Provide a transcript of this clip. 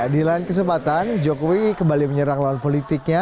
di lain kesempatan jokowi kembali menyerang lawan politiknya